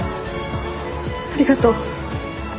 ありがとう。